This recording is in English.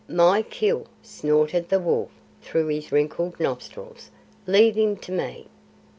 "My kill!" snorted the wolf through his wrinkled nostrils. "Leave him to me."